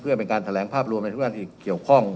เพื่อเป็นการแถลงภาพรวมในทุกด้านที่เกี่ยวข้อง